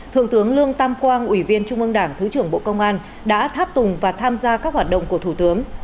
thượng tướng lương tam quang ủy viên trung ương đảng thứ trưởng bộ công an đã tháp tùng và tham gia các hoạt động của thủ tướng